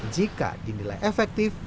jika dinilai efektif